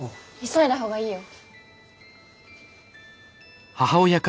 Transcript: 急いだ方がいいよ。